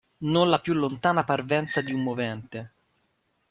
Non la più lontana parvenza di un movente.